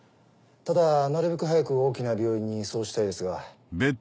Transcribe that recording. ただなるべく早く大きな病院に移送したいですが。